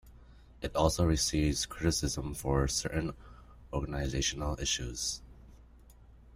It also receives criticism for certain organizational issues.